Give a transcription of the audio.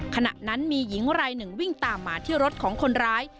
ขณะนั้นมีหญิงรายหนึ่งวิ่งตามมาที่รถของคนร้าย